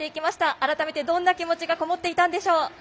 改めてどんな気持ちがこもっていたんでしょうか？